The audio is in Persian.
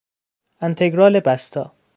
انتگرال بستا